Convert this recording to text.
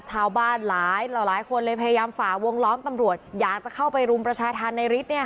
ชาวบ้านหลายหลายคนเลยพยายามฝาวงล้อมตำรวจอยากจะเข้าไปรุมประชาธารนายฤทธิ์เนี้ยค่ะ